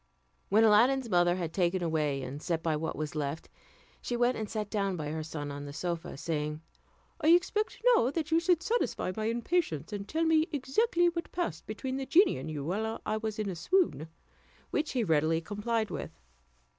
When Aladdin's mother had taken away and set by what was left, she went and sat down by her son on the sofa, saying, "I expect now that you should satisfy my impatience, and tell me exactly what passed between the genie and you while I was in a swoon"; which he readily complied with.